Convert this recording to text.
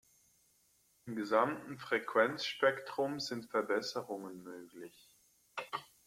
Im gesamten Frequenzspektrum sind Verbesserungen möglich.